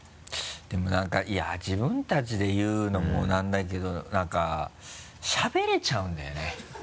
でも何かいや自分たちで言うのもなんだけど何かしゃべれちゃうんだよね。